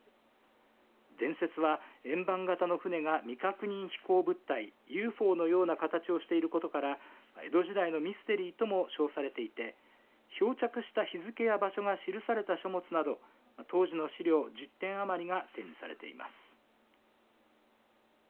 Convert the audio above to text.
伝説は円盤形の舟が未確認飛行物体ＵＦＯのような形をしていることから江戸時代のミステリーとも称されていて漂着した日付や場所が記された書物など当時の資料１０点余りが展示されています。